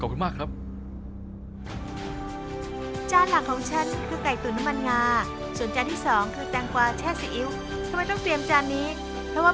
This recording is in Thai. ผมคิดว่ารสชาติเข้มข้นกว่านี้ได้